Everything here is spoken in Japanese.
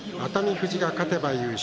富士が勝てば優勝